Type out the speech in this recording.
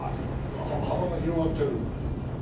幅が広がってる。